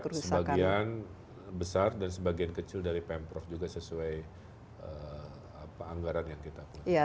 itu sebagian besar dan sebagian kecil dari pemprov juga sesuai anggaran yang kita punya